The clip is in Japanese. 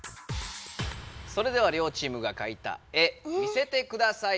それでは両チームがかいた絵見せてください。